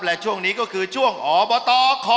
และช่วงนี้ก็คือช่วงอบตค